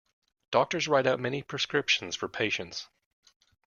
Doctors write out many prescriptions for patients